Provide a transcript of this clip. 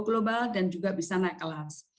global dan juga bisa naik kelas